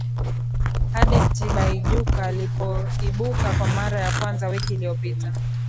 hadi Tibaijuka alipoibuka kwa mara ya kwanza wiki iliyopita